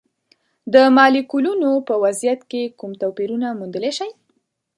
د مالیکولونو په وضعیت کې کوم توپیرونه موندلی شئ؟